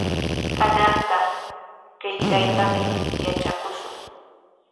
Kananqa qillqaytami yatrakushun.